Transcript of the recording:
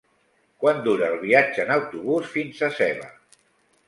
Quant dura el viatge en autobús fins a Seva?